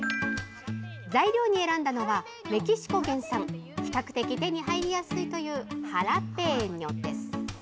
材料に選んだのは、メキシコ原産比較的手に入りやすいというハラペーニョです。